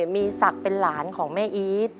มีสักเป็นหลานของแม่อีส